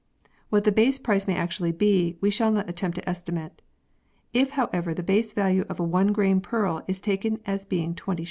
What the base price may actually be, we shall not attempt to estimate. If, however, the base value of a 1 grain pearl is taken as being 20s.